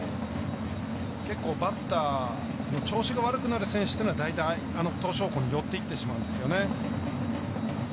結構バッターの調子が悪くなる選手というのは大体、あの投手方向に寄っていってしまうんですよね。